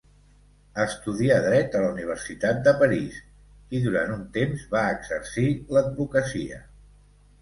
Estudià dret a la Universitat de París, i durant un temps va exercir l'advocacia.